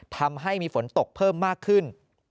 ทำให้มีฝนตกเพิ่มมากขึ้น